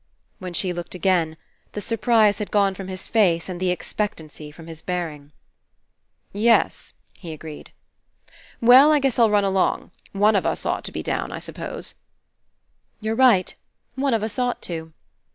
When she looked again, the surprise had gone from his face and the expectancy from, his bearing. "Yes," he agreed. "Well, I guess Til run along. One of us ought to be down, I s'pose." "You're right. One of us ought to."